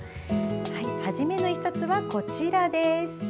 初めの１冊は、こちら。